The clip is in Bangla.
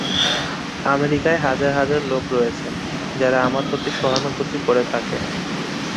আমেরিকায় হাজার হাজার লোক রয়েছে, যারা আমার প্রতি সহানুভূতি করে থাকে।